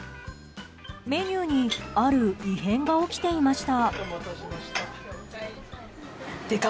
メニューにある異変が起きていました。